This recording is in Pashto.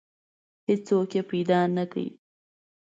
هیڅوک یې پیدا نه کړ.